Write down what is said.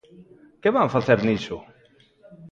¿Que van facer niso?